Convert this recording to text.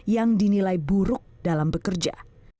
yang dinilai buruk dalam bekerja